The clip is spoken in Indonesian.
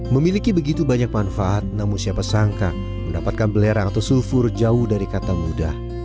memiliki begitu banyak manfaat namun siapa sangka mendapatkan belerang atau sulfur jauh dari kata mudah